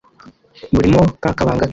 burimo ka kabanga ke,